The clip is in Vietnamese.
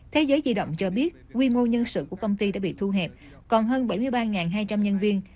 thế giới di động cho biết quy mô nhân sự của công ty đã bị thu hẹp còn hơn bảy mươi ba hai trăm linh nhân viên